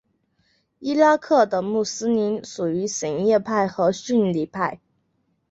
伊拉克的穆斯林属于什叶派和逊尼派。